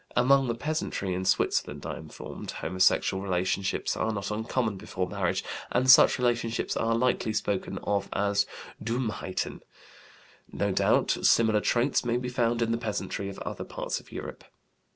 Among the peasantry in Switzerland, I am informed, homosexual relationships are not uncommon before marriage, and such relationships are lightly spoken of as "Dummheiten". No doubt, similar traits might be found in the peasantry of other parts of Europe.